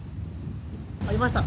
あ、いました！